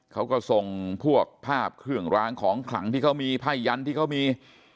เขาก็ส่งพวกภาพเครื่องรางของขลังที่เขามีไพ่ยันที่เขามี